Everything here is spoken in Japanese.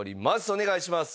お願いします。